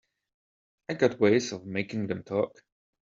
I got ways of making them talk.